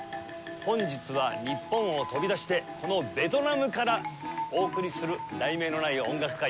本日は日本を飛び出してこのベトナムからお送りする『題名のない音楽会』